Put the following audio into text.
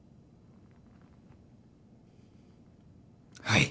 はい。